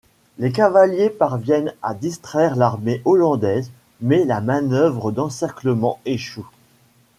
Les cavaliers parviennent à distraire l'armée hollandaise mais la manœuvre d'encerclement échoue.